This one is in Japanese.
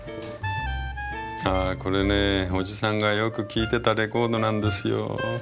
あこれねおじさんがよく聴いてたレコードなんですよ。